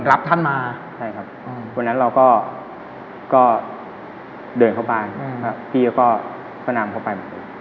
วันนั้นเราก็เดินเข้าบ้านพี่ก็นำเข้าไป